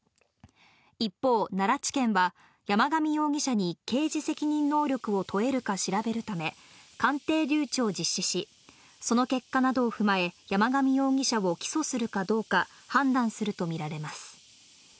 一方、奈良地検は、山上容疑者に刑事責任能力を問えるか調べるため、鑑定留置を実施し、その結果などを踏まえ、山上容疑者を起訴するかどうか判断すると見られます。